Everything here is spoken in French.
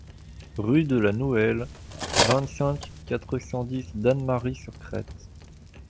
Rue de la Nouelle, vingt-cinq, quatre cent dix Dannemarie-sur-Crète